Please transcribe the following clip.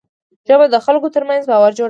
ژبه د خلکو ترمنځ باور جوړوي